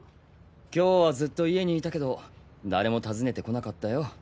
今日はずっと家にいたけど誰も訪ねて来なかったよ。